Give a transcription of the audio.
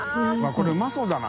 これうまそうだな。